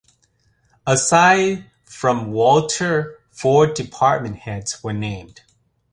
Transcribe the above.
Aside from Wolter, four department heads were named.